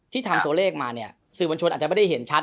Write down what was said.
ทำตัวเลขมาเนี่ยสื่อมวลชนอาจจะไม่ได้เห็นชัด